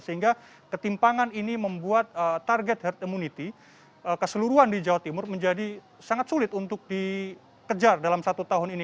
sehingga ketimpangan ini membuat target herd immunity keseluruhan di jawa timur menjadi sangat sulit untuk dikejar dalam satu tahun ini